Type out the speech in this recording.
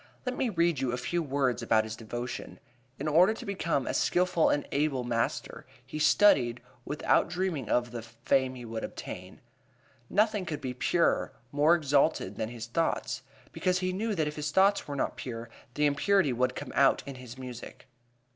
Let me read you a few words about his devotion: "In order to become a skilful and able master he studied, without dreaming of the ... fame he would obtain." "Nothing could be purer, more exalted, than his thoughts," because he knew that if his thoughts were not pure the impurity would come out in his music.